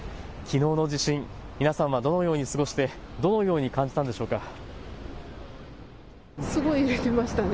きのうの地震、皆さんはどのように過ごして、どのように感じたのでしょうか。